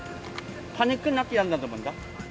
パニックになってたんだと思うんだ。